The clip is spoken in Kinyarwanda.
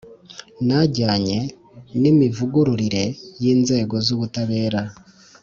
Ni ajyanye n’imivugururire y’inzego z’Ubutabera